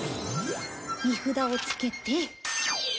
荷札をつけて。